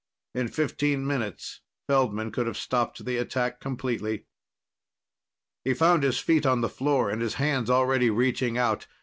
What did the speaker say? In fifteen minutes, Feldman could have stopped the attack completely. He found his feet on the floor and his hands already reaching out.